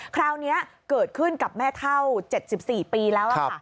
คราวนี้เกิดขึ้นกับแม่เท่า๗๔ปีแล้วค่ะ